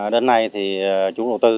đến nay thì chúng đầu tư